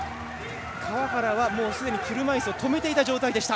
川原がもうすでに車いすを止めていた状態でした。